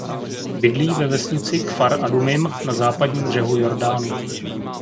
Bydlí ve vesnici Kfar Adumim na Západním břehu Jordánu.